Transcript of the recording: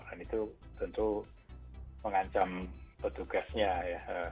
dan itu tentu mengancam petugasnya ya